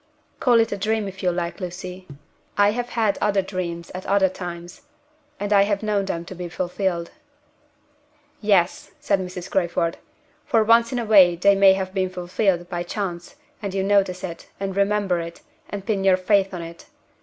"Call it a dream if you like, Lucy. I have had other dreams at other times and I have known them to be fulfilled." "Yes!" said Mrs. Crayford. "For once in a way they may have been fulfilled, by chance and you notice it, and remember it, and pin your faith on it.